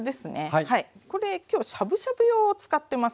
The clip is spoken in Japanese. これ今日しゃぶしゃぶ用を使ってます。